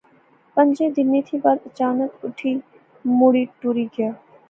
پانج دن تھی بعد او اچانک اٹھی مڑی ٹری گیا